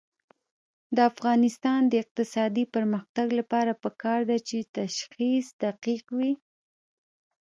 د افغانستان د اقتصادي پرمختګ لپاره پکار ده چې تشخیص دقیق وي.